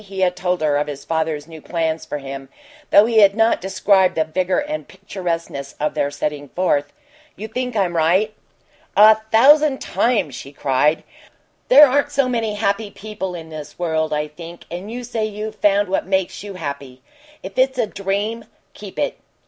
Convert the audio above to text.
He had told her of his father's new plans for him, though he had not described the vigor and picturesqueness of their setting forth. "You think I'm right?" "A thousand times!" she cried. "There aren't so many happy people in this world, I think and you say you've found what makes you happy. If it's a dream keep it!"